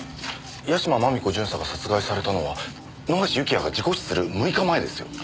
屋島真美子巡査が殺害されたのは野橋幸也が事故死する６日前ですよ。